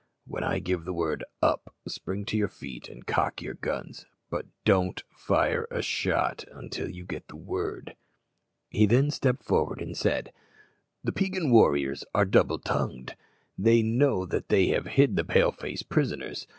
When I give the word 'Up,' spring to your feet and cock your guns; but don't fire a shot till you get the word." He then stepped forward and said, "The Peigan warriors are double tongued; they know that they have hid the Pale face prisoners.